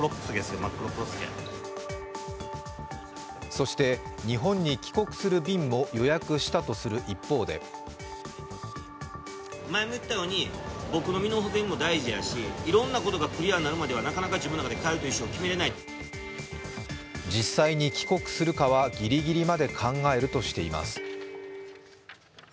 そして、日本に帰国する便も予約したとする一方で実際に帰国するかは、ギリギリまで考えるとしています。